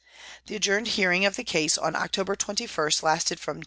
The adjourned hearing of the case on October 21 lasted from 10.